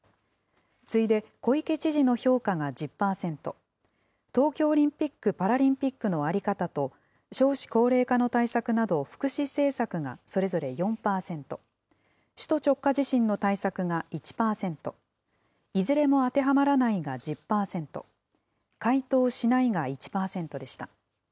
次いで小池知事の評価が１０％、東京オリンピック・パラリンピックの在り方と少子高齢化の対策など福祉政策がそれぞれ４％、首都直下地震の対策が１％、いずれも当てはまらないが１０％、回答しないが１％でした。